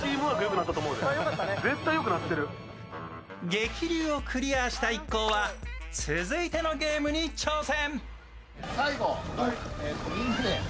激流をクリアした一行は続いてのゲームに挑戦。